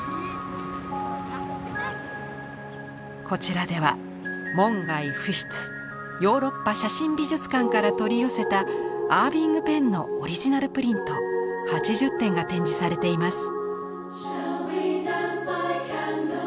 こちらでは門外不出ヨーロッパ写真美術館から取り寄せたアーヴィング・ペンのオリジナルプリント８０点が展示されています。